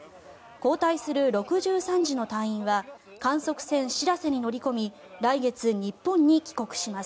交代する６３次の隊員は観測船「しらせ」に乗り込み来月、日本に帰国します。